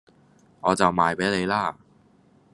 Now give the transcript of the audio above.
我就賣俾你啦